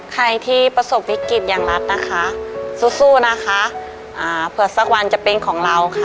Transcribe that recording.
ใครที่ประสบวิกฤตอย่างรัฐนะคะสู้สู้นะคะอ่าเผื่อสักวันจะเป็นของเราค่ะ